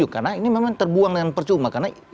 karena ini memang terbuang dengan percuma